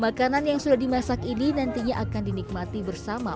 makanan yang sudah dimasak ini nantinya akan dinikmati bersama